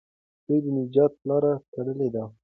دوی د نجات لاره تړلې وه.